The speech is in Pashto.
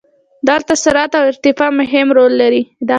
دلته سرعت او ارتفاع مهم رول لري.